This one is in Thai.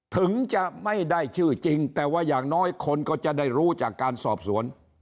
ถึงจะไม่ได้ชื่อจริงแต่ว่าอย่างน้อยคนก็จะได้รู้จากการสอบสวน